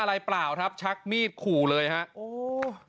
เปล่าครับชักมีดขู่เลยฮะโอ้โห